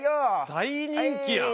大人気やん。